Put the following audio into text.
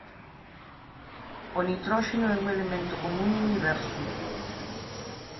O nitróxeno é un elemento común no Universo.